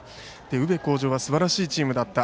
宇部鴻城はすばらしいチームだった。